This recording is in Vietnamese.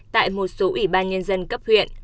tại một số ủy ban nhân dân cấp huyện